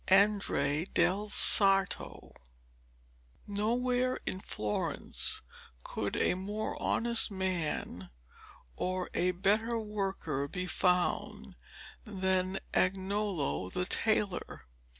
ANDREA DEL SARTO Nowhere in Florence could a more honest man or a better worker be found than Agnolo the tailor.